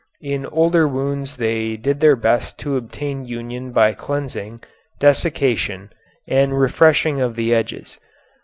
In older wounds they did their best to obtain union by cleansing, desiccation, and refreshing of the edges.